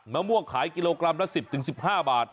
มะม่วงขายกิโลกรัมละ๑๐๑๕บาท